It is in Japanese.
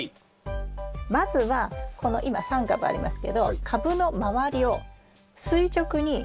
まずはこの今３株ありますけど株の周りを垂直に。